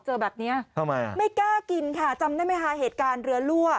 แบบเนี้ยทำไมอ่ะไม่กล้ากินค่ะจำได้ไหมคะเหตุการณ์เรือรั่ว